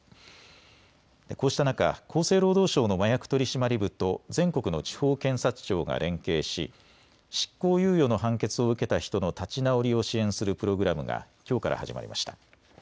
こうした中、厚生労働省の麻薬取締部と全国の地方検察庁が連携し執行猶予の判決を受けた人の立ち直りを支援するプログラムがきょうから始まりました。